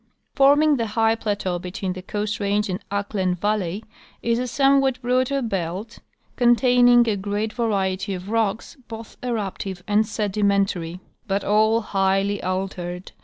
— Forming the high plateau between the Coast range and Ahklen valley is a somewhat broader belt, containing a great variety of rocks, both eruptive and sediment ary but all highly altered.